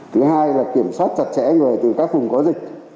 thứ hai là kiểm soát chặt chẽ người từ các vùng có dịch